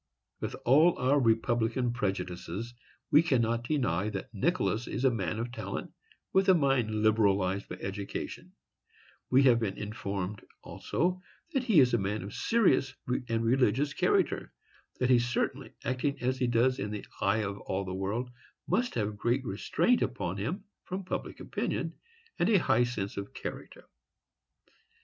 With all our republican prejudices, we cannot deny that Nicholas is a man of talent, with a mind liberalized by education; we have been informed, also, that he is a man of serious and religious character;—he certainly, acting as he does in the eye of all the world, must have great restraint upon him from public opinion, and a high sense of character.